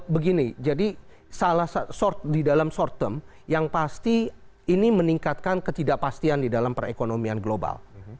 begini jadi di dalam short term yang pasti ini meningkatkan ketidakpastian di dalam perekonomian global